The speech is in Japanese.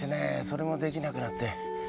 それもできなくなって。